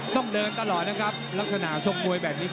ต้องเดินตลอดนะครับลักษณะทรงมวยแบบนี้